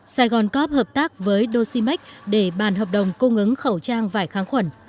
saigoncorp hợp tác với dosimac để bàn hợp đồng cung ứng khẩu trang vải kháng khuẩn